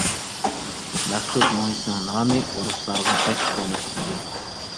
مەخسۇت مۇھىتىنىڭ نامى ئورۇسلارغا بەك تونۇش ئىدى.